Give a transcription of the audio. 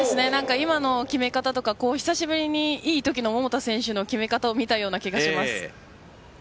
今の決め方とか久しぶりにいいときの桃田選手の決め方を見たような気がします。